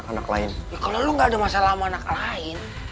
kalau lo nggak ada masalah sama anak anak lain